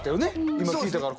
今聞いたから。